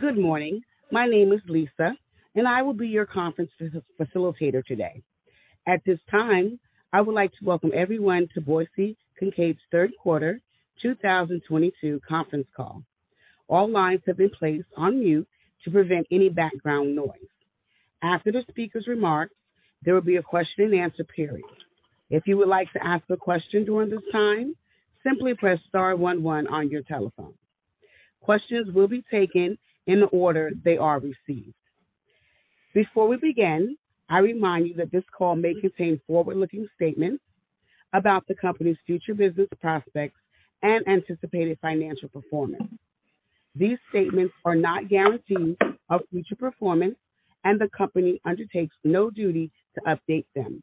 Good morning. My name is Lisa, and I will be your conference facilitator today. At this time, I would like to welcome everyone to Boise Cascade's Third Quarter 2022 Conference Call. All lines have been placed on mute to prevent any background noise. After the speaker's remarks, there will be a question and answer period. If you would like to ask a question during this time, simply press star one one on your telephone. Questions will be taken in the order they are received. Before we begin, I remind you that this call may contain forward-looking statements about the company's future business prospects and anticipated financial performance. These statements are not guarantees of future performance, and the company undertakes no duty to update them.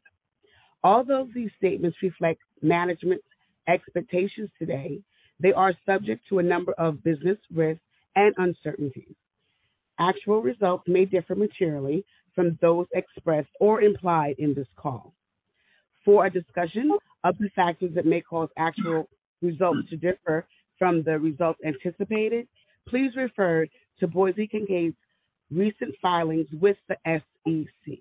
Although these statements reflect management's expectations today, they are subject to a number of business risks and uncertainties. Actual results may differ materially from those expressed or implied in this call. For a discussion of the factors that may cause actual results to differ from the results anticipated, please refer to Boise Cascade's recent filings with the SEC.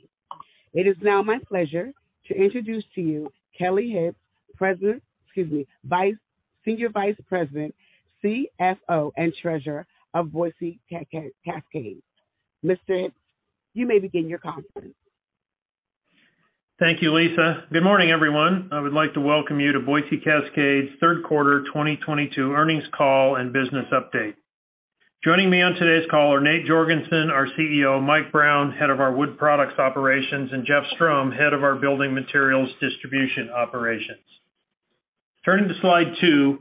It is now my pleasure to introduce to you Kelly Hibbs, Senior Vice President, CFO, and Treasurer of Boise Cascade. Mr. Hibbs, you may begin your conference. Thank you, Lisa. Good morning, everyone. I would like to welcome you to Boise Cascade's Third Quarter 2022 Earnings Call and Business Update. Joining me on today's call are Nate Jorgensen, our CEO, Mike Brown, Head of our Wood Products operations, and Jeff Strom, Head of our Building Materials Distribution operations. Turning to slide two,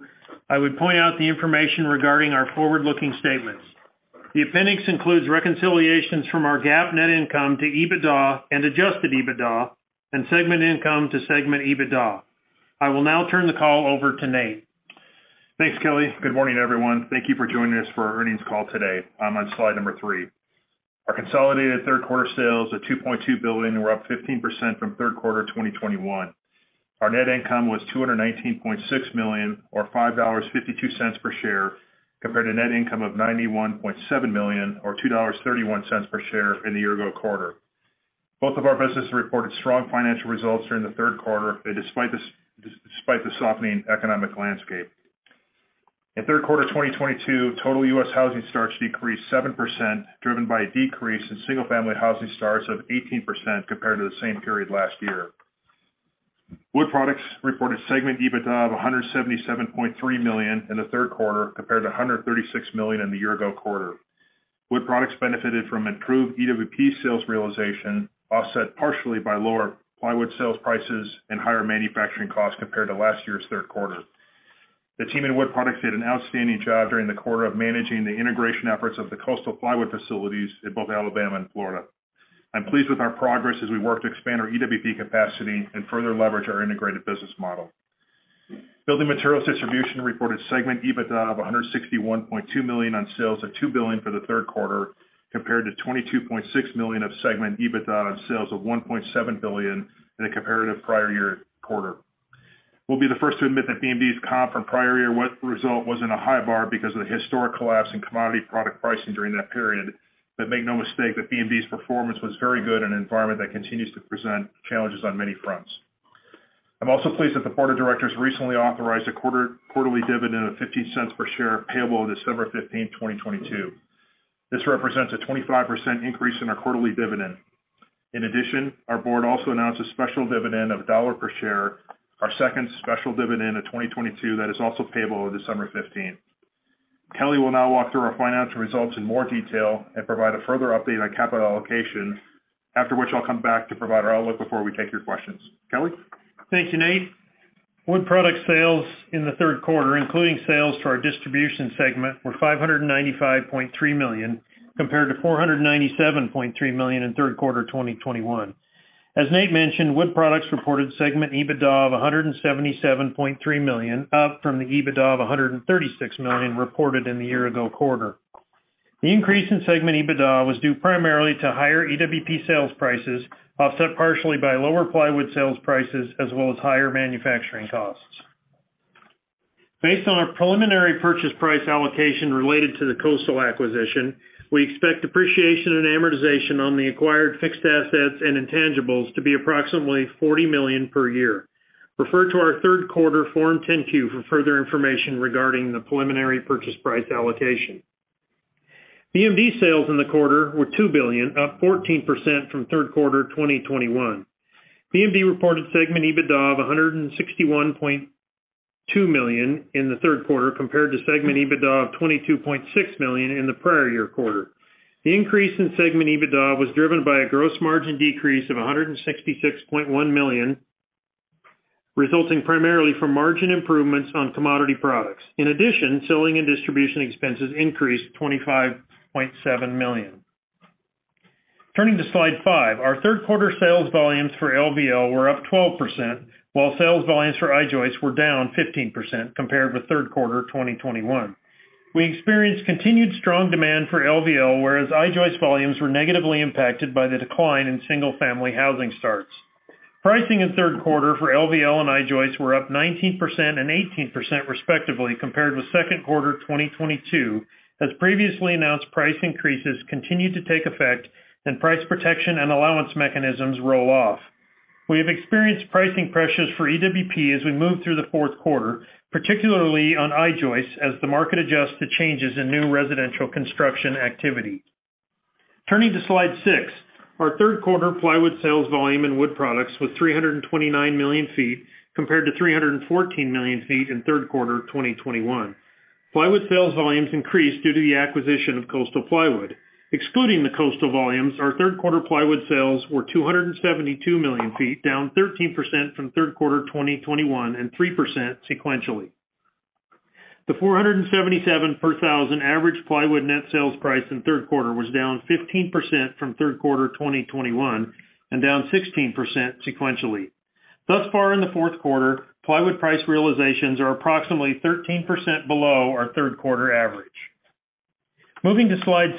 I would point out the information regarding our forward-looking statements. The appendix includes reconciliations from our GAAP net income to EBITDA and Adjusted EBITDA and segment income to segment EBITDA. I will now turn the call over to Nate. Thanks, Kelly. Good morning, everyone. Thank you for joining us for our earnings call today. I'm on slide number three. Our consolidated third-quarter sales of $2.2 billion were up 15% from third quarter 2021. Our net income was $219.6 million or $5.52 per share, compared to net income of $91.7 million or $2.31 per share in the year-ago quarter. Both of our businesses reported strong financial results during the third quarter despite the softening economic landscape. In third quarter 2022, total U.S. housing starts decreased 7%, driven by a decrease in single-family housing starts of 18% compared to the same period last year. Wood Products reported segment EBITDA of $177.3 million in the third quarter, compared to $136 million in the year-ago quarter. Wood Products benefited from improved EWP sales realization, offset partially by lower plywood sales prices and higher manufacturing costs compared to last year's third quarter. The team in Wood Products did an outstanding job during the quarter of managing the integration efforts of the Coastal Plywood facilities in both Alabama and Florida. I'm pleased with our progress as we work to expand our EWP capacity and further leverage our integrated business model. Building Materials Distribution reported segment EBITDA of $161.2 million on sales of $2 billion for the third quarter, compared to $22.6 million of segment EBITDA on sales of $1.7 billion in the comparative prior year quarter. We'll be the first to admit that BMD's comp from prior year, the result, wasn't a high bar because of the historic collapse in commodity product pricing during that period, but make no mistake that BMD's performance was very good in an environment that continues to present challenges on many fronts. I'm also pleased that the board of directors recently authorized a quarterly dividend of $0.15 per share, payable December 15, 2022. This represents a 25% increase in our quarterly dividend. In addition, our board also announced a special dividend of $1 per share, our second special dividend of 2022 that is also payable December 15. Kelly will now walk through our financial results in more detail and provide a further update on capital allocation, after which I'll come back to provide our outlook before we take your questions. Kelly? Thank you, Nate. Wood Products sales in the third quarter, including sales to our distribution segment, were $595.3 million, compared to $497.3 million in third quarter 2021. As Nate mentioned, Wood Products reported segment EBITDA of $177.3 million, up from the EBITDA of $136 million reported in the year-ago quarter. The increase in segment EBITDA was due primarily to higher EWP sales prices, offset partially by lower plywood sales prices as well as higher manufacturing costs. Based on our preliminary purchase price allocation related to the Coastal acquisition, we expect depreciation and amortization on the acquired fixed assets and intangibles to be approximately $40 million per year. Refer to our third quarter Form 10-Q for further information regarding the preliminary purchase price allocation. BMD sales in the quarter were $2 billion, up 14% from third quarter 2021. BMD reported segment EBITDA of $161.2 million in the third quarter compared to segment EBITDA of $22.6 million in the prior year quarter. The increase in segment EBITDA was driven by a gross margin increase of $166.1 million, resulting primarily from margin improvements on commodity products. In addition, selling and distribution expenses increased $25.7 million. Turning to slide five. Our third quarter sales volumes for LVL were up 12%, while sales volumes for I-joist were down 15% compared with third quarter 2021. We experienced continued strong demand for LVL, whereas I-joist volumes were negatively impacted by the decline in single-family housing starts. Pricing in third quarter for LVL and I-joists were up 19% and 18% respectively compared with second quarter 2022, as previously announced price increases continued to take effect and price protection and allowance mechanisms roll off. We have experienced pricing pressures for EWP as we move through the fourth quarter, particularly on I-joists, as the market adjusts to changes in new residential construction activity. Turning to slide six. Our third quarter plywood sales volume in Wood Products was 329 million ft, compared to 314 million ft in third quarter 2021. Plywood sales volumes increased due to the acquisition of Coastal Plywood. Excluding the Coastal volumes, our third quarter plywood sales were 272 million ft, down 13% from third quarter 2021 and 3% sequentially. The $477 per thousand average plywood net sales price in third quarter was down 15% from third quarter 2021 and down 16% sequentially. Thus far in the fourth quarter, plywood price realizations are approximately 13% below our third quarter average. Moving to slide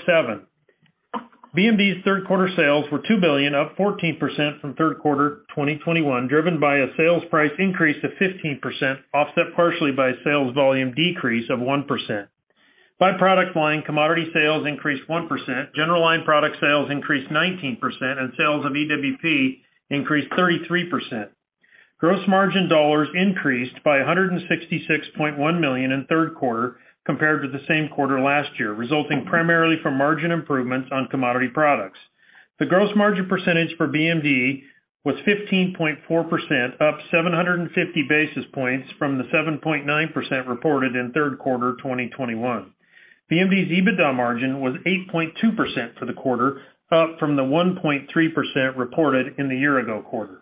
seven. BMD's third quarter sales were $2 billion, up 14% from third quarter 2021, driven by a sales price increase of 15%, offset partially by sales volume decrease of 1%. By product line, commodity sales increased 1%, general line product sales increased 19%, and sales of EWP increased 33%. Gross margin dollars increased by $166.1 million in third quarter compared to the same quarter last year, resulting primarily from margin improvements on commodity products. The gross margin percentage for BMD was 15.4%, up 750 basis points from the 7.9% reported in third quarter 2021. BMD's EBITDA margin was 8.2% for the quarter, up from the 1.3% reported in the year-ago quarter.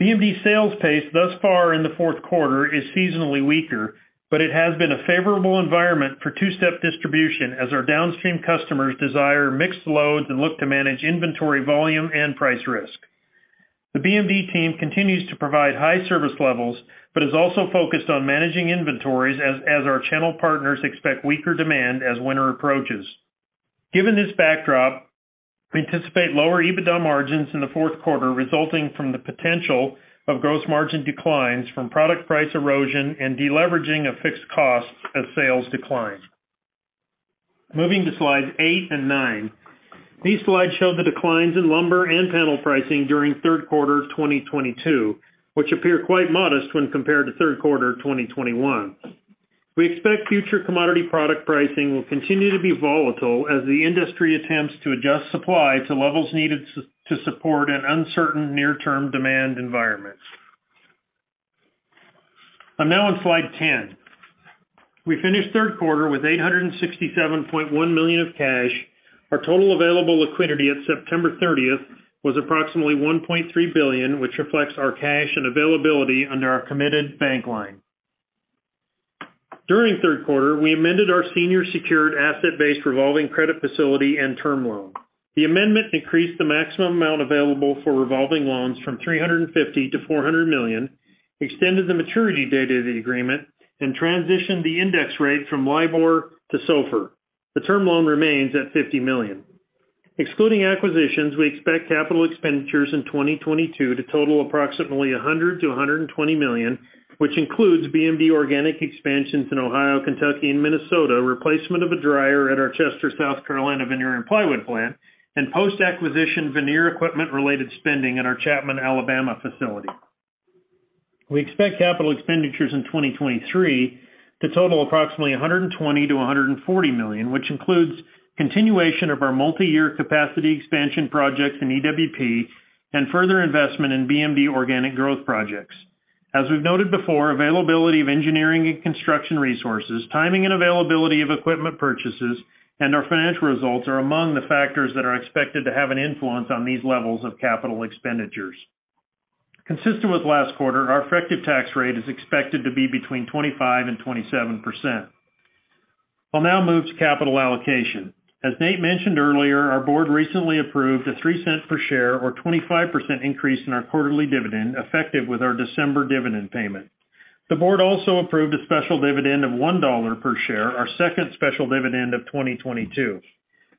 BMD's sales pace thus far in the fourth quarter is seasonally weaker, but it has been a favorable environment for two-step distribution as our downstream customers desire mixed loads and look to manage inventory volume and price risk. The BMD team continues to provide high service levels, but is also focused on managing inventories as our channel partners expect weaker demand as winter approaches. Given this backdrop, we anticipate lower EBITDA margins in the fourth quarter resulting from the potential of gross margin declines from product price erosion and deleveraging of fixed costs as sales decline. Moving to slides eight and nine. These slides show the declines in lumber and panel pricing during third quarter 2022, which appear quite modest when compared to third quarter 2021. We expect future commodity product pricing will continue to be volatile as the industry attempts to adjust supply to levels needed to support an uncertain near-term demand environment. I'm now on slide 10. We finished third quarter with $867.1 million of cash. Our total available liquidity at September thirtieth was approximately $1.3 billion, which reflects our cash and availability under our committed bank line. During third quarter, we amended our senior secured asset-based revolving credit facility and term loan. The amendment increased the maximum amount available for revolving loans from $350 million-$400 million, extended the maturity date of the agreement, and transitioned the index rate from LIBOR to SOFR. The term loan remains at $50 million. Excluding acquisitions, we expect capital expenditures in 2022 to total approximately $100 million-$120 million, which includes BMD organic expansions in Ohio, Kentucky, and Minnesota, replacement of a dryer at our Chester, South Carolina veneer and plywood plant, and post-acquisition veneer equipment-related spending at our Chapman, Alabama facility. We expect capital expenditures in 2023 to total approximately $120 million-$140 million, which includes continuation of our multiyear capacity expansion projects in EWP and further investment in BMD organic growth projects. As we've noted before, availability of engineering and construction resources, timing and availability of equipment purchases, and our financial results are among the factors that are expected to have an influence on these levels of capital expenditures. Consistent with last quarter, our effective tax rate is expected to be between 25% and 27%. I'll now move to capital allocation. As Nate mentioned earlier, our board recently approved a $0.03 per share or 25% increase in our quarterly dividend, effective with our December dividend payment. The board also approved a special dividend of $1 per share, our second special dividend of 2022.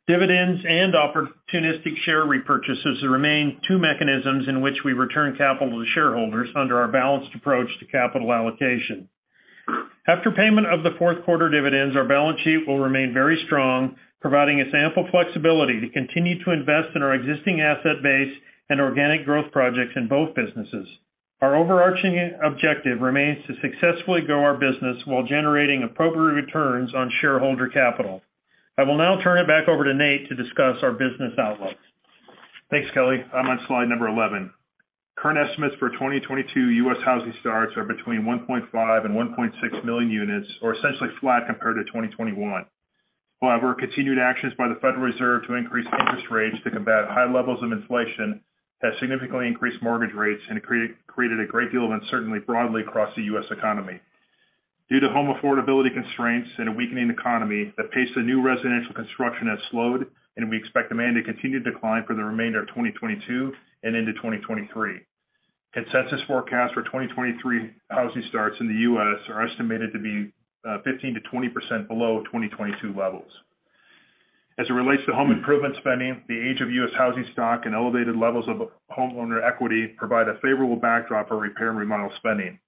Dividends and opportunistic share repurchases remain two mechanisms in which we return capital to shareholders under our balanced approach to capital allocation. After payment of the fourth quarter dividends, our balance sheet will remain very strong, providing us ample flexibility to continue to invest in our existing asset base and organic growth projects in both businesses. Our overarching objective remains to successfully grow our business while generating appropriate returns on shareholder capital. I will now turn it back over to Nate to discuss our business outlooks. Thanks, Kelly. I'm on slide number 11. Current estimates for 2022 U.S. housing starts are between 1.5 and 1.6 million units, or essentially flat compared to 2021. However, continued actions by the Federal Reserve to increase interest rates to combat high levels of inflation has significantly increased mortgage rates and created a great deal of uncertainty broadly across the U.S. economy. Due to home affordability constraints and a weakening economy, the pace of new residential construction has slowed, and we expect demand to continue to decline for the remainder of 2022 and into 2023. Consensus forecast for 2023 housing starts in the U.S. are estimated to be 15%-20% below 2022 levels. As it relates to home improvement spending, the age of U.S. housing stock and elevated levels of homeowner equity provide a favorable backdrop for repair and remodel spending.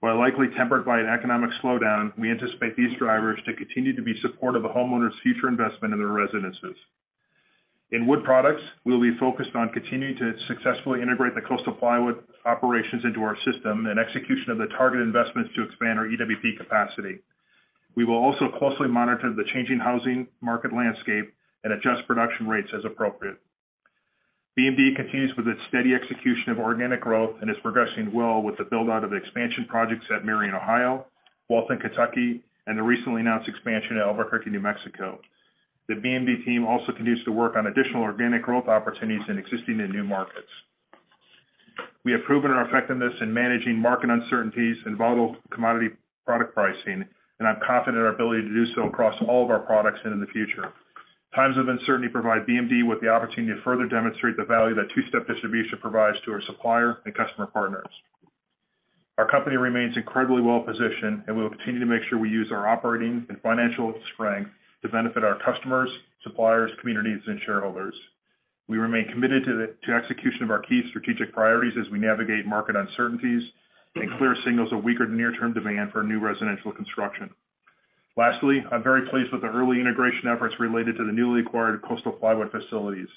While likely tempered by an economic slowdown, we anticipate these drivers to continue to be supportive of homeowners' future investment in their residences. In Wood Products, we will be focused on continuing to successfully integrate the Coastal Plywood operations into our system and execution of the target investments to expand our EWP capacity. We will also closely monitor the changing housing market landscape and adjust production rates as appropriate. BMD continues with its steady execution of organic growth and is progressing well with the build-out of expansion projects at Marion, Ohio, Walton, Kentucky, and the recently announced expansion at Albuquerque, New Mexico. The BMD team also continues to work on additional organic growth opportunities in existing and new markets. We have proven our effectiveness in managing market uncertainties and volatile commodity product pricing, and I'm confident in our ability to do so across all of our products and in the future. Times of uncertainty provide BMD with the opportunity to further demonstrate the value that two-step distribution provides to our supplier and customer partners. Our company remains incredibly well-positioned, and we will continue to make sure we use our operating and financial strength to benefit our customers, suppliers, communities, and shareholders. We remain committed to execution of our key strategic priorities as we navigate market uncertainties and clear signals of weaker near-term demand for new residential construction. Lastly, I'm very pleased with the early integration efforts related to the newly acquired Coastal Plywood facilities.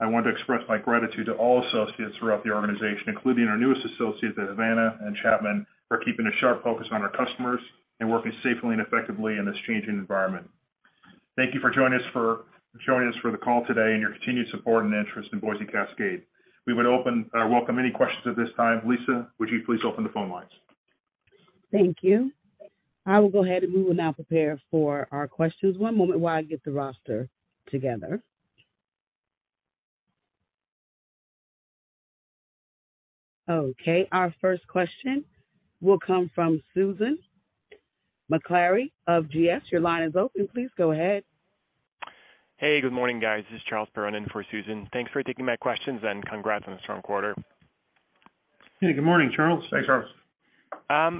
I want to express my gratitude to all associates throughout the organization, including our newest associates at Havana and Chapman, for keeping a sharp focus on our customers and working safely and effectively in this changing environment. Thank you for joining us for the call today and your continued support and interest in Boise Cascade. We welcome any questions at this time. Lisa, would you please open the phone lines? Thank you. I will go ahead and we will now prepare for our questions. One moment while I get the roster together. Okay. Our first question will come from Susan Maklari of GS. Your line is open. Please go ahead. Hey, good morning, guys. This is Charles Perron-Piché in for Susan. Thanks for taking my questions and congrats on a strong quarter. Yeah, good morning, Charles. Thanks, Charles.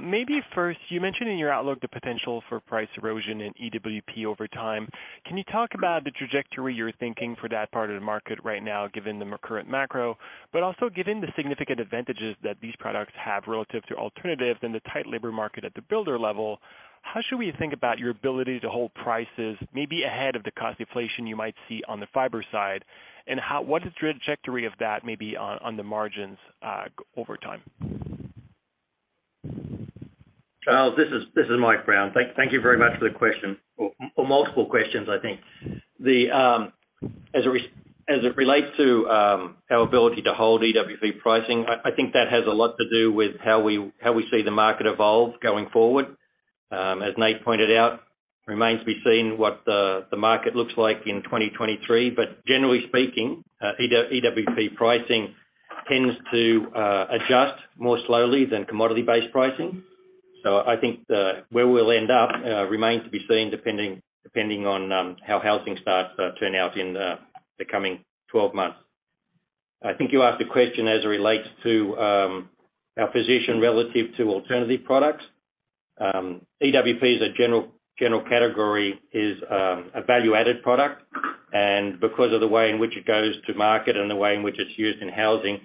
Maybe first, you mentioned in your outlook the potential for price erosion in EWP over time. Can you talk about the trajectory you're thinking for that part of the market right now, given the current macro, but also given the significant advantages that these products have relative to alternatives and the tight labor market at the builder level, how should we think about your ability to hold prices maybe ahead of the cost inflation you might see on the fiber side? What is the trajectory of that maybe on the margins over time? Charles, this is Mike Brown. Thank you very much for the question or multiple questions, I think. As it relates to our ability to hold EWP pricing, I think that has a lot to do with how we see the market evolve going forward. As Nate pointed out, remains to be seen what the market looks like in 2023. Generally speaking, EWP pricing tends to adjust more slowly than commodity-based pricing. I think where we'll end up remains to be seen, depending on how housing starts turn out in the coming 12 months. I think you asked a question as it relates to our position relative to alternative products. EWP as a general category is a value-added product. Because of the way in which it goes to market and the way in which it's used in housing,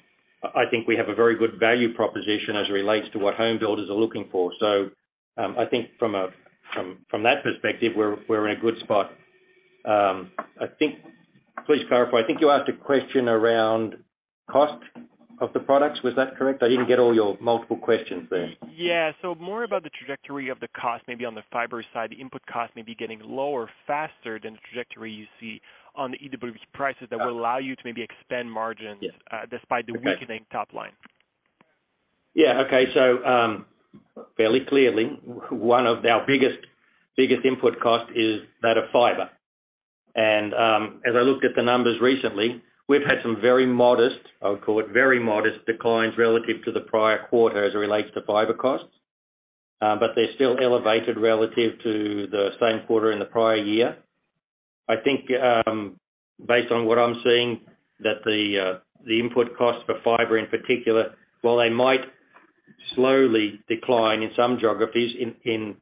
I think we have a very good value proposition as it relates to what home builders are looking for. I think from that perspective, we're in a good spot. Please clarify. I think you asked a question around cost of the products. Was that correct? I didn't get all your multiple questions there. Yeah. More about the trajectory of the cost, maybe on the fiber side, the input cost maybe getting lower faster than the trajectory you see on the EWP prices that will allow you to maybe expand margins. Yeah. despite the weakening top line. Fairly clearly, one of our biggest input costs is that of fiber. As I looked at the numbers recently, we've had some very modest. I would call it very modest declines relative to the prior quarter as it relates to fiber costs. They're still elevated relative to the same quarter in the prior year. I think, based on what I'm seeing, that the input costs for fiber in particular, while they might slowly decline in some geographies,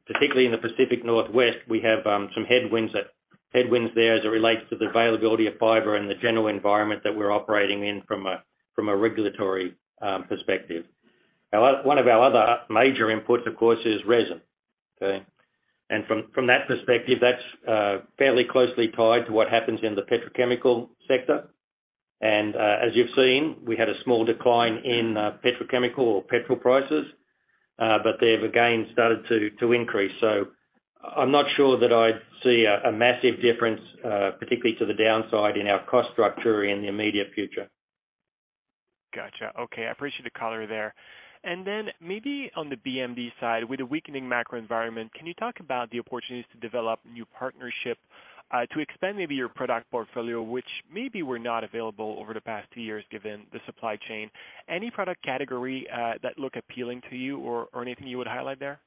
particularly in the Pacific Northwest, we have some headwinds there as it relates to the availability of fiber and the general environment that we're operating in from a regulatory perspective. One of our other major inputs, of course, is resin. From that perspective, that's fairly closely tied to what happens in the petrochemical sector. As you've seen, we had a small decline in petrochemical or petroleum prices, but they have again started to increase. I'm not sure that I see a massive difference, particularly to the downside in our cost structure in the immediate future. Gotcha. Okay. I appreciate the color there. Maybe on the BMD side, with the weakening macro environment, can you talk about the opportunities to develop new partnership to expand maybe your product portfolio, which maybe were not available over the past two years, given the supply chain? Any product category that look appealing to you or anything you would highlight there?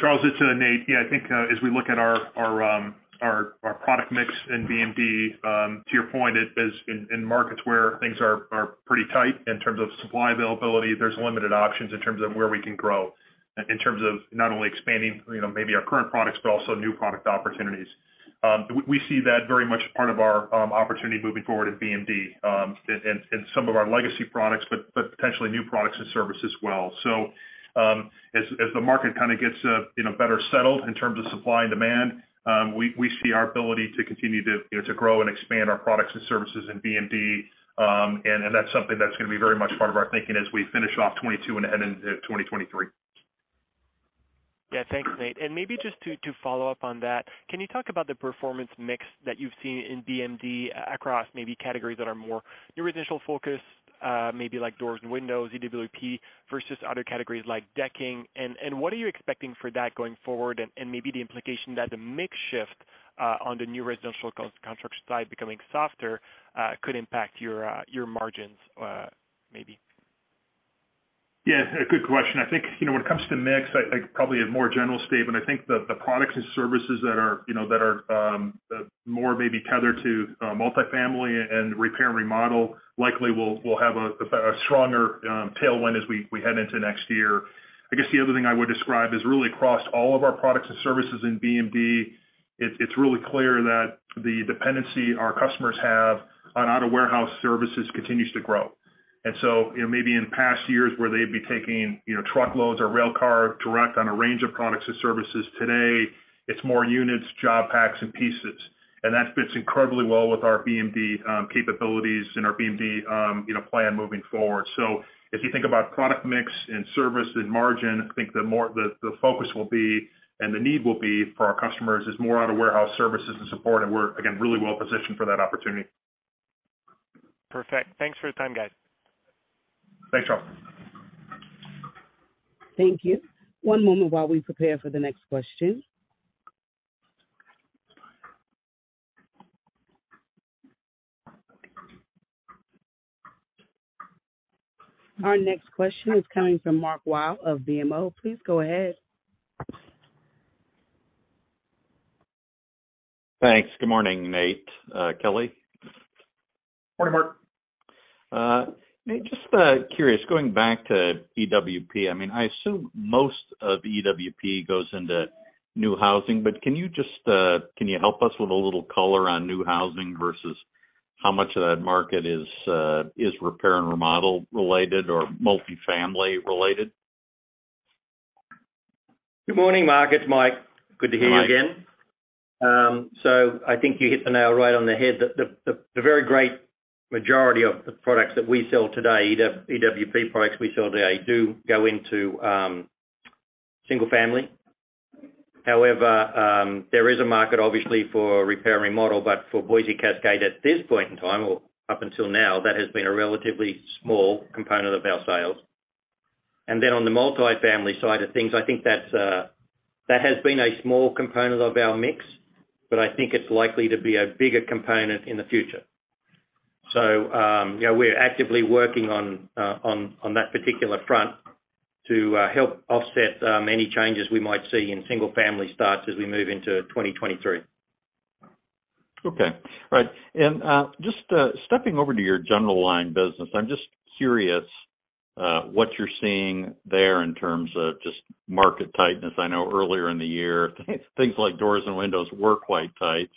Charles, it's Nate. Yeah, I think as we look at our product mix in BMD, to your point, it is in markets where things are pretty tight in terms of supply availability. There's limited options in terms of where we can grow, in terms of not only expanding, you know, maybe our current products, but also new product opportunities. We see that very much part of our opportunity moving forward in BMD, and some of our legacy products, but potentially new products and services as well. As the market kind of gets you know better settled in terms of supply and demand, we see our ability to continue to you know to grow and expand our products and services in BMD. That's something that's gonna be very much part of our thinking as we finish off 2022 and head into 2023. Yeah. Thanks, Nate. Maybe just to follow up on that, can you talk about the performance mix that you've seen in BMD across maybe categories that are more new residential focused, maybe like doors and windows, EWP, versus other categories like decking? What are you expecting for that going forward? Maybe the implication that the mix shift on the new residential construction side becoming softer could impact your margins, maybe. Yeah, good question. I think, you know, when it comes to mix, I like probably a more general statement. I think the products and services that are, you know, that are more maybe tethered to multi-family and repair and remodel likely will have a stronger tailwind as we head into next year. I guess the other thing I would describe is really across all of our products and services in BMD. It's really clear that the dependency our customers have on out-of-warehouse services continues to grow. You know, maybe in past years where they'd be taking, you know, truckloads or rail car direct on a range of products and services, today, it's more units, job packs and pieces. That fits incredibly well with our BMD capabilities and our BMD plan moving forward. If you think about product mix and service and margin, I think the more the focus will be, and the need will be for our customers is more out-of-warehouse services and support, and we're again really well positioned for that opportunity. Perfect. Thanks for your time, guys. Thanks, Charles. Thank you. One moment while we prepare for the next question. Our next question is coming from Mark Wilde of BMO. Please go ahead. Thanks. Good morning, Nate, Kelly. Morning, Mark. Nate, just curious, going back to EWP, I mean, I assume most of EWP goes into new housing, but can you help us with a little color on new housing versus how much of that market is repair and remodel related or multifamily related? Good morning, Mark. It's Mike. Good to hear you again. Mike. I think you hit the nail right on the head. The very great majority of the products that we sell today, EWP products we sell today do go into single family. However, there is a market obviously for repair and remodel, but for Boise Cascade at this point in time or up until now, that has been a relatively small component of our sales. On the multifamily side of things, I think that has been a small component of our mix, but I think it's likely to be a bigger component in the future. You know, we're actively working on that particular front to help offset any changes we might see in single family starts as we move into 2023. Okay. All right. Just stepping over to your general line business, I'm just curious what you're seeing there in terms of just market tightness. I know earlier in the year, things like doors and windows were quite tight.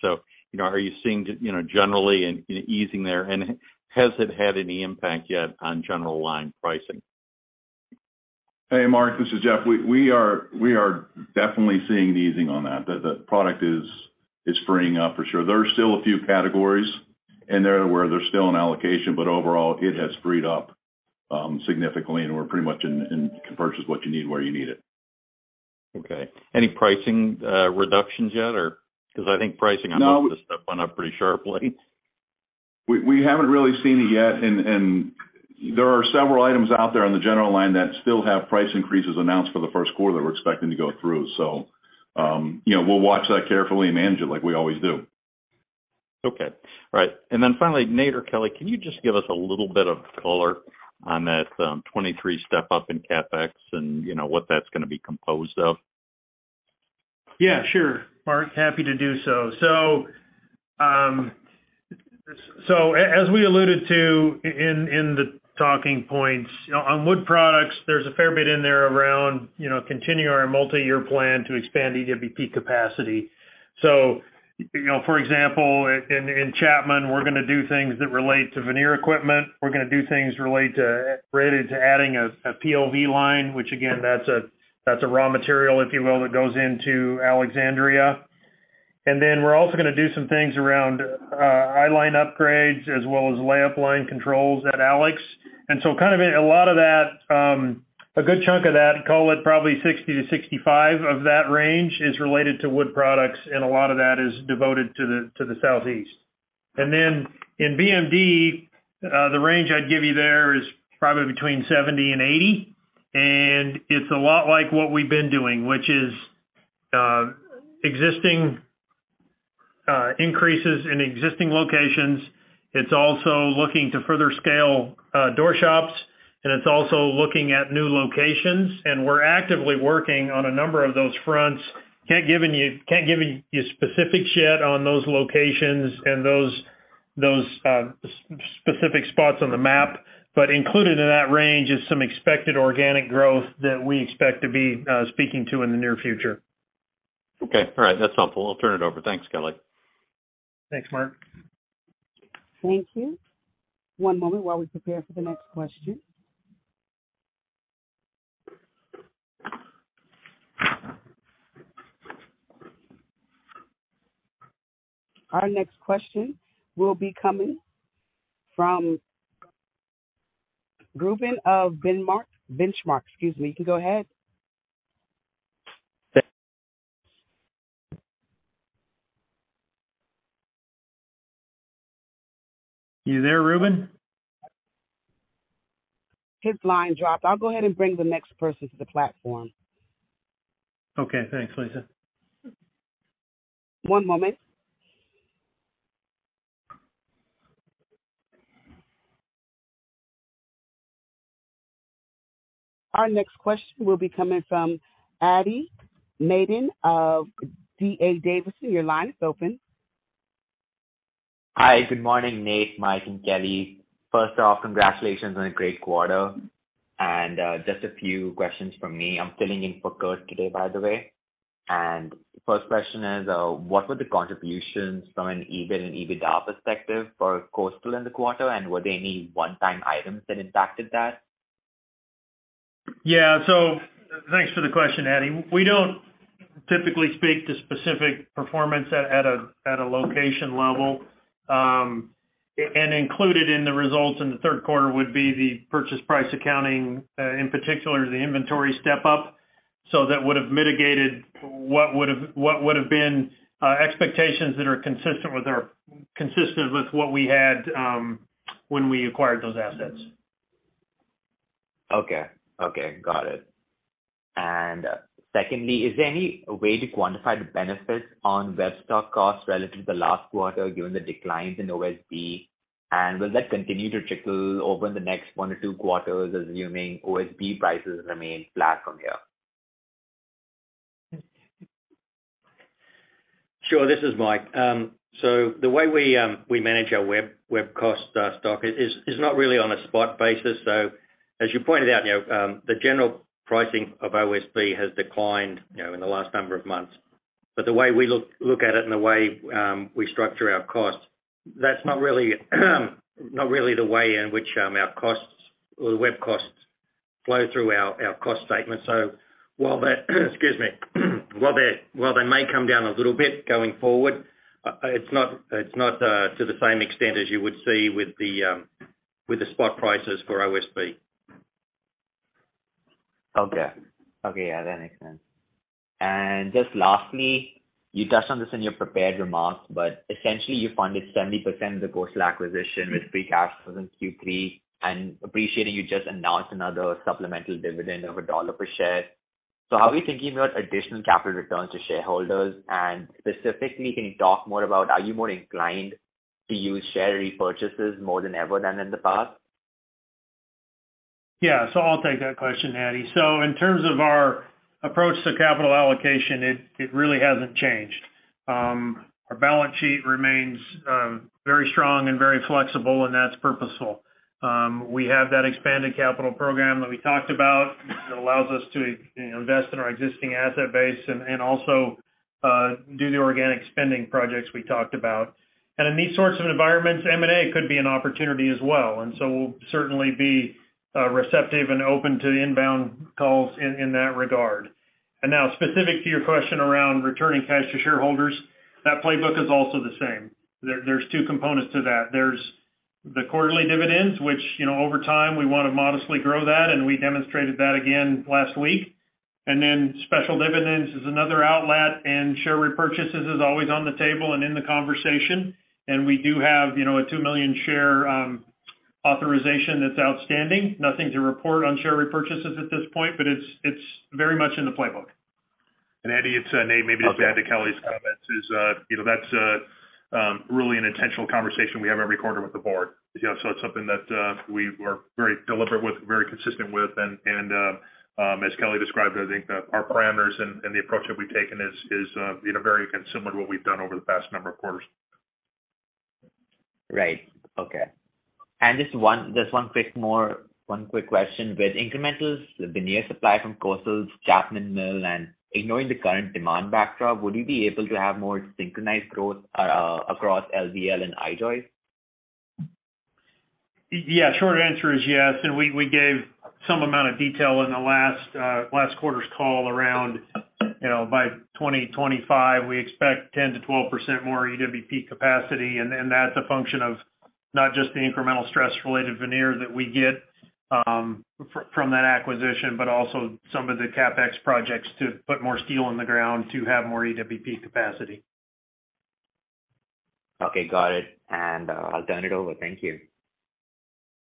You know, are you seeing, you know, generally an easing there? Has it had any impact yet on general line pricing? Hey, Mark, this is Jeff. We are definitely seeing the easing on that. The product is freeing up for sure. There are still a few categories in there where there's still an allocation, but overall it has freed up significantly, and we're pretty much can purchase what you need, where you need it. Okay. Any pricing reductions yet or? 'Cause I think pricing on most of this stuff went up pretty sharply. We haven't really seen it yet. There are several items out there on the general line that still have price increases announced for the first quarter that we're expecting to go through. You know, we'll watch that carefully and manage it like we always do. Okay. All right. Finally, Nate or Kelly, can you just give us a little bit of color on that 2023 step up in CapEx and, you know, what that's gonna be composed of? Yeah, sure, Mark. Happy to do so. As we alluded to in the talking points, you know, on wood products, there's a fair bit in there around continue our multi-year plan to expand EWP capacity. For example, in Chapman, we're gonna do things that relate to veneer equipment. We're gonna do things related to adding a poplar line, which again, that's a raw material, if you will, that goes into Alexandria. And then we're also gonna do some things around I-joist line upgrades as well as layup line controls at Alex. Kind of a lot of that, a good chunk of that, call it probably 60-65 of that range is related to wood products, and a lot of that is devoted to the Southeast. In BMD, the range I'd give you there is probably between 70 and 80, and it's a lot like what we've been doing, which is existing increases in existing locations. It's also looking to further scale door shops. It's also looking at new locations, and we're actively working on a number of those fronts. Can't give you specifics yet on those locations and those specific spots on the map. Included in that range is some expected organic growth that we expect to be speaking to in the near future. Okay. All right. That's helpful. I'll turn it over. Thanks, Kelly. Thanks, Mark. Thank you. One moment while we prepare for the next question. Our next question will be coming from Reuben of Benchmark, excuse me. You can go ahead. You there, Reuben? His line dropped. I'll go ahead and bring the next person to the platform. Okay. Thanks, Lisa. One moment. Our next question will be coming from Adi Madan of D.A. Davidson. Your line is open. Hi, good morning, Nate, Mike, and Kelly. First off, congratulations on a great quarter. Just a few questions from me. I'm filling in for Kurt today, by the way. First question is, what were the contributions from an EBIT and EBITDA perspective for Coastal in the quarter, and were there any one-time items that impacted that? Yeah. Thanks for the question, Adi. We don't typically speak to specific performance at a location level. Included in the results in the third quarter would be the purchase price accounting, in particular the inventory step-up. That would have mitigated what would have been expectations that are consistent with what we had when we acquired those assets. Okay, got it. Secondly, is there any way to quantify the benefits on web stock costs relative to the last quarter given the declines in OSB? Will that continue to trickle over the next one or two quarters, assuming OSB prices remain flat from here? Sure. This is Mike. The way we manage our wood cost stock is not really on a spot basis. As you pointed out, you know, the general pricing of OSB has declined, you know, in the last number of months. The way we look at it and the way we structure our costs, that's not really the way in which our costs or the wood costs flow through our cost statement. While they may come down a little bit going forward, it's not to the same extent as you would see with the spot prices for OSB. Okay. Okay, yeah, that makes sense. Just lastly, you touched on this in your prepared remarks, but essentially you funded 70% of the Coastal acquisition with free cash flows in Q3, and I appreciate you just announced another supplemental dividend of $1 per share. How are you thinking about additional capital returns to shareholders? Specifically, can you talk more about are you more inclined to use share repurchases more than ever than in the past? Yeah. I'll take that question, Adi. In terms of our approach to capital allocation, it really hasn't changed. Our balance sheet remains very strong and very flexible, and that's purposeful. We have that expanded capital program that we talked about that allows us to, you know, invest in our existing asset base and also do the organic spending projects we talked about. In these sorts of environments, M&A could be an opportunity as well. We'll certainly be receptive and open to inbound calls in that regard. Now specific to your question around returning cash to shareholders, that playbook is also the same. There's two components to that. There's the quarterly dividends, which, you know, over time we wanna modestly grow that, and we demonstrated that again last week. Special dividends is another outlet, and share repurchases is always on the table and in the conversation. We do have, you know, a 2 million share authorization that's outstanding. Nothing to report on share repurchases at this point, but it's very much in the playbook. Adi, it's Nate. Maybe just to add to Kelly's comments, you know, that's really an intentional conversation we have every quarter with the board. You know, so it's something that we were very deliberate with, very consistent with. As Kelly described, I think our parameters and the approach that we've taken is very similar to what we've done over the past number of quarters. Right. Okay. Just one more quick question. With incrementals, the veneer supply from Coastal's Chapman Mill, and ignoring the current demand backdrop, would you be able to have more synchronized growth across LVL and I-joist? Yeah, short answer is yes. We gave some amount of detail in the last quarter's call around, you know, by 2025, we expect 10%-12% more EWP capacity. That's a function of not just the incremental stress-related veneer that we get from that acquisition, but also some of the CapEx projects to put more steel in the ground to have more EWP capacity. Okay, got it. I'll turn it over. Thank you.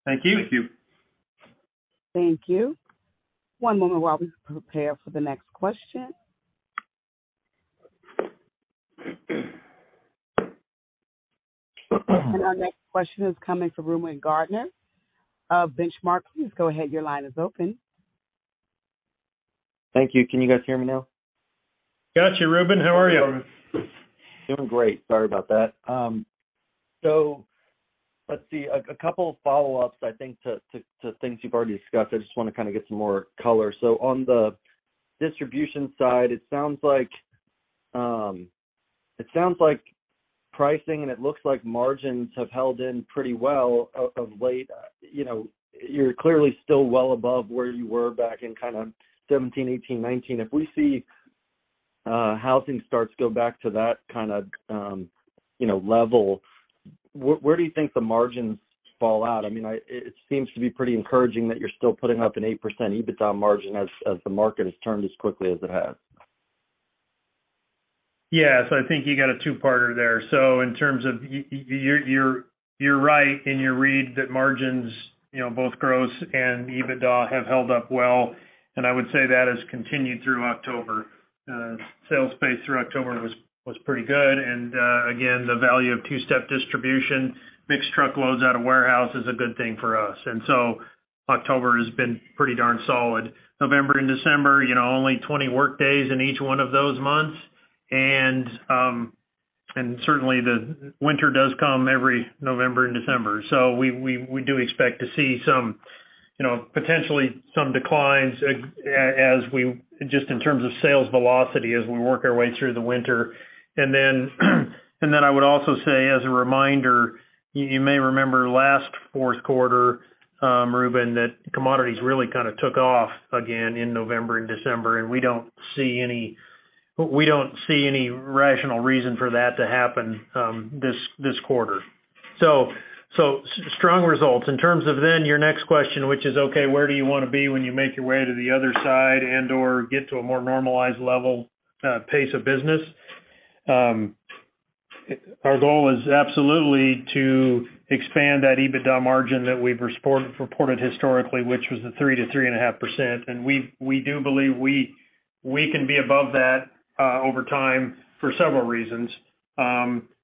Thank you. Thank you. Thank you. One moment while we prepare for the next question. Our next question is coming from Reuben Garner of Benchmark. Please go ahead. Your line is open. Thank you. Can you guys hear me now? Got you, Reuben. How are you? Doing great. Sorry about that. A couple of follow-ups, I think, to things you've already discussed. I just wanna kinda get some more color. On the distribution side, it sounds like it sounds like pricing, and it looks like margins have held up pretty well of late. You know, you're clearly still well above where you were back in kind of 2017, 2018, 2019. If we see housing starts go back to that kinda, you know, level, where do you think the margins fall out? I mean, it seems to be pretty encouraging that you're still putting up an 8% EBITDA margin as the market has turned as quickly as it has. Yeah. I think you got a two-parter there. In terms of you're right in your read that margins, you know, both gross and EBITDA have held up well, and I would say that has continued through October. Sales pace through October was pretty good. Again, the value of two-step distribution, mixed truckloads out of warehouse is a good thing for us. October has been pretty darn solid. November and December, you know, only 20 work days in each one of those months. Certainly the winter does come every November and December. We do expect to see some, you know, potentially some declines as we just in terms of sales velocity as we work our way through the winter. I would also say as a reminder, you may remember last fourth quarter, Reuben, that commodities really kinda took off again in November and December, and we don't see any rational reason for that to happen, this quarter. Strong results. In terms of your next question, which is, okay, where do you wanna be when you make your way to the other side and/or get to a more normalized level, pace of business? Our goal is absolutely to expand that EBITDA margin that we've reported historically, which was the 3%-3.5%. We do believe we can be above that, over time for several reasons.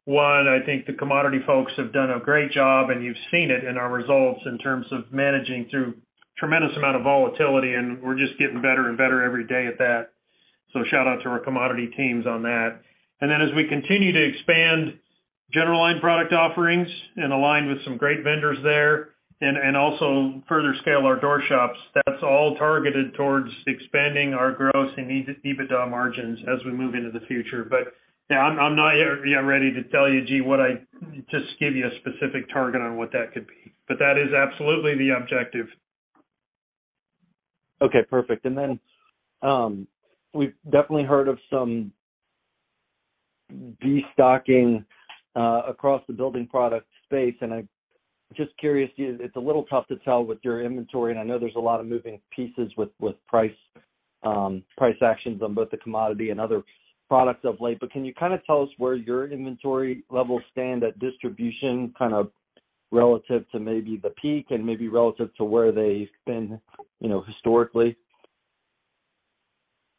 One, I think the commodity folks have done a great job, and you've seen it in our results in terms of managing through tremendous amount of volatility, and we're just getting better and better every day at that. Shout out to our commodity teams on that. Then as we continue to expand general line product offerings and align with some great vendors there and also further scale our door shops, that's all targeted towards expanding our gross and EBITDA margins as we move into the future. Yeah, I'm not yet ready to tell you, gee, just give you a specific target on what that could be. That is absolutely the objective. Okay, perfect. We've definitely heard of some destocking across the building product space, and I'm just curious, it's a little tough to tell with your inventory, and I know there's a lot of moving pieces with price actions on both the commodity and other products of late. Can you kinda tell us where your inventory levels stand at distribution, kind of relative to maybe the peak and maybe relative to where they've been, you know, historically?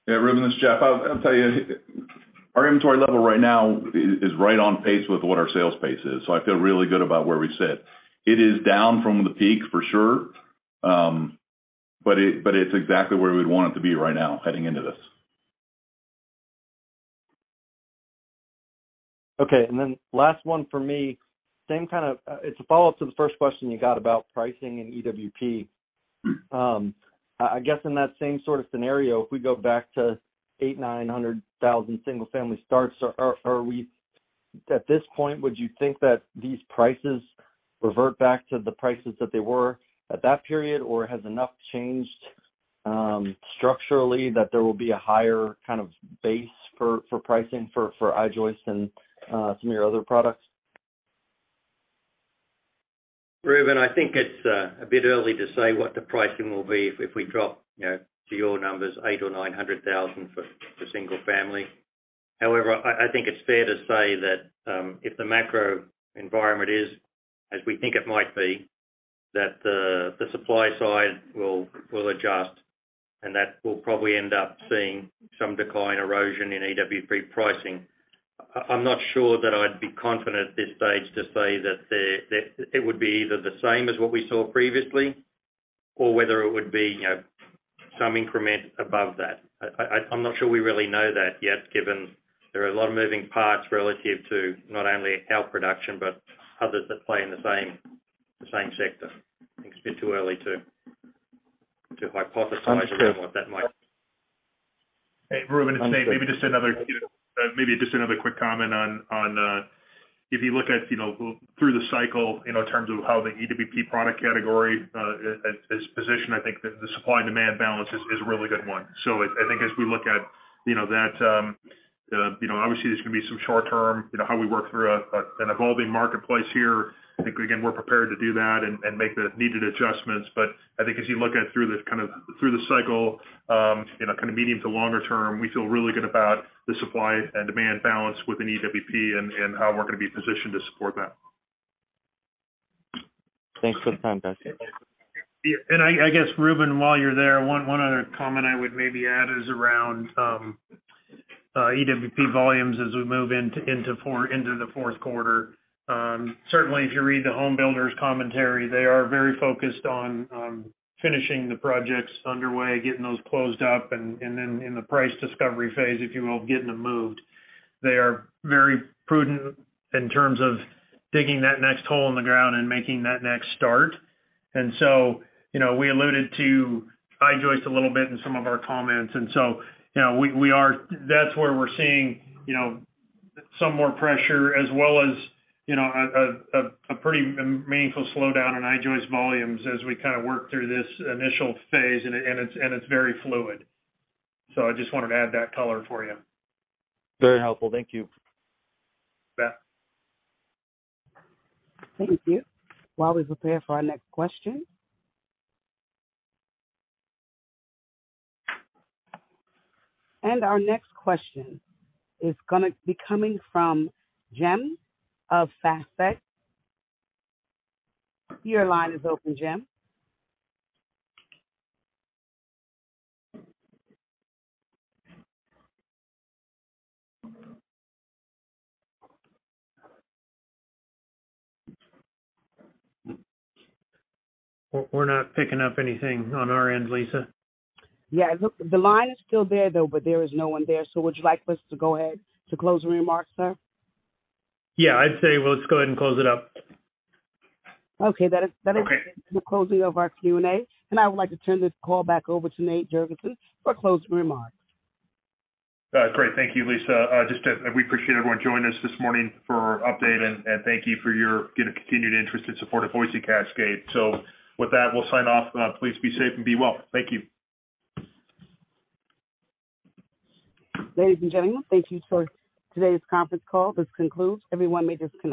Yeah, Reuben, this is Jeff. I'll tell you, our inventory level right now is right on pace with what our sales pace is. I feel really good about where we sit. It is down from the peak for sure, but it's exactly where we'd want it to be right now heading into this. Okay. Last one for me, same kind of, it's a follow-up to the first question you got about pricing and EWP. I guess in that same sort of scenario, if we go back to 800,000 to 900,000 single-family starts, are we at this point, would you think that these prices revert back to the prices that they were at that period? Or has enough changed structurally that there will be a higher kind of base for pricing for I-joist and some of your other products? Reuben, I think it's a bit early to say what the pricing will be if we drop to your numbers, 800,000 or 900,000 for single family. However, I think it's fair to say that if the macro environment is as we think it might be, that the supply side will adjust, and that we'll probably end up seeing some decline erosion in EWP pricing. I'm not sure that I'd be confident at this stage to say that it would be either the same as what we saw previously or whether it would be some increment above that. I'm not sure we really know that yet, given there are a lot of moving parts relative to not only our production, but others that play in the same sector. I think it's a bit too early to hypothesize around what that might. Hey, Reuben, it's Nate. Maybe just another quick comment on if you look at, you know, through the cycle, you know, in terms of how the EWP product category is positioned, I think the supply and demand balance is a really good one. I think as we look at, you know, that, you know, obviously, there's gonna be some short term, you know, how we work through an evolving marketplace here. I think, again, we're prepared to do that and make the needed adjustments. I think as you look at through the cycle, you know, kind of medium to longer term, we feel really good about the supply and demand balance within EWP and how we're gonna be positioned to support that. Thanks for the time, Nate. I guess, Reuben, while you're there, one other comment I would maybe add is around EWP volumes as we move into the fourth quarter. Certainly if you read the home builders commentary, they are very focused on finishing the projects underway, getting those closed up, and then in the price discovery phase, if you will, getting them moved. They are very prudent in terms of digging that next hole in the ground and making that next start. You know, we alluded to I-joist a little bit in some of our comments, and you know, we are. That's where we're seeing, you know, some more pressure as well as, you know, a pretty meaningful slowdown in I-joist volumes as we kinda work through this initial phase and it's very fluid. I just wanted to add that color for you. Very helpful. Thank you. You bet. Thank you. While we prepare for our next question. Our next question is gonna be coming from Jim of FactSet. Your line is open, Jim. We're not picking up anything on our end, Lisa. Yeah, look, the line is still there, though, but there is no one there, so would you like us to go ahead to closing remarks, sir? Yeah, I'd say let's go ahead and close it up. Okay. That is. Okay. The closing of our Q&A, and I would like to turn this call back over to Nate Jorgensen for closing remarks. Great. Thank you, Lisa. Just, we appreciate everyone joining us this morning for update and thank you for your, you know, continued interest and support of Boise Cascade. With that, we'll sign off. Please be safe and be well. Thank you. Ladies and gentlemen, thank you for today's conference call. This concludes everyone on this conference.